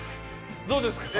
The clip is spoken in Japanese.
どうですか？